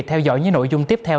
theo dõi những nội dung tiếp theo